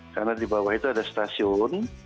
karena di bawah itu ada stasiun